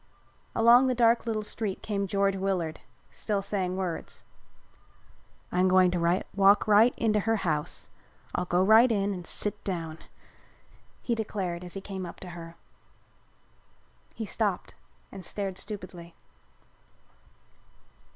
Along the dark little street came George Willard, still saying words. "I'm going to walk right into her house. I'll go right in and sit down," he declared as he came up to her. He stopped and stared stupidly.